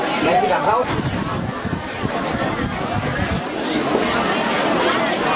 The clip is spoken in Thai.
น้องชัดอ่อนชุดแรกก็จะเป็นตัวที่สุดท้าย